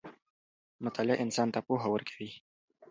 مطالعه انسان ته پوهه ورکوي.